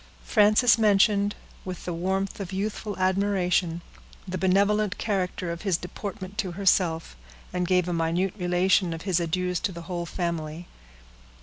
Frances mentioned, with the warmth of youthful admiration, the benevolent character of his deportment to herself, and gave a minute relation of his adieus to the whole family.